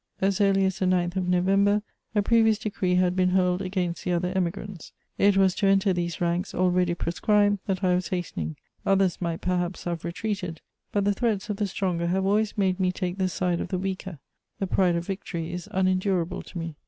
As early as the 9th of November, a previous decree had been hurled against the other Emigrants: it was to enter these ranks, already proscribed, that I was hastening; others might perhaps have retreated, but the threats of the stronger have always made me take the side of the weaker: the pride of victory is unendurable to me.